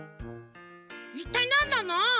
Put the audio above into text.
いったいなんなの？